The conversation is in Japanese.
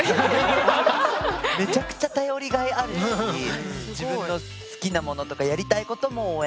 めちゃくちゃ頼りがいあるし自分の好きなものとかやりたいことも応援してくれて。